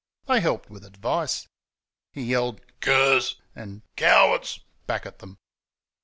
They helped with advice. He yelled "Curs!" and "Cowards!" back at them.